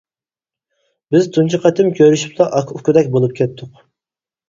بىز تۇنجى قېتىم كۆرۈشۈپلا ئاكا-ئۇكىدەك بولۇپ كەتتۇق.